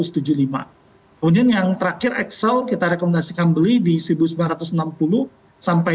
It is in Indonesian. kemudian yang terakhir excel kita rekomendasikan beli di seribu sembilan ratus enam puluh sampai dua ribu dua